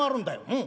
うん。